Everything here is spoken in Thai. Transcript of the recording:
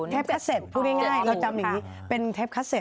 เทปสต์พูดเองก็ได้พูดจำอยู่เป็นเทปค็าสเซท